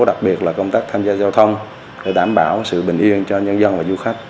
đặc biệt là công tác tham gia giao thông để đảm bảo sự bình yên cho nhân dân và du khách